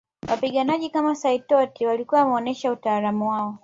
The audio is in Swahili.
Wapiganaji kama Saitoti walikuwa wameonyesha utaalam wao